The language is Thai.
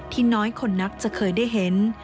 น้อยคนนักจะเคยได้เห็น